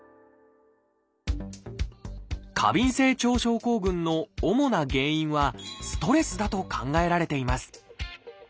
過敏性腸症候群の主な原因はストレスだと考えられています。